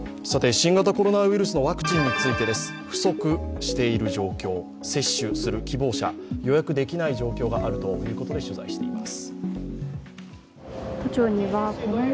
新型コロナウイルスのワクチンについてです、不足している状況、接種する希望者、予約できない状況があるということで、取材しています。